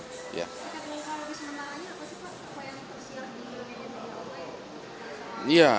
pemilikan logis menangannya apa sih pak